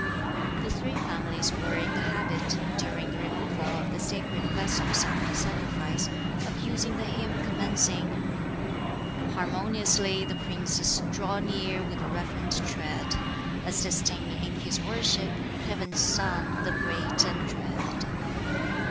The Three Families were in the habit, during the Removal of the sacred vessels after sacrifice, of using the hymn commencing, "Harmoniously the Princes Draw near with reverent tread, Assisting in his worship Heaven's Son, the great and dread."